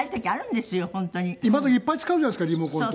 今時いっぱい使うじゃないですかリモコンとか。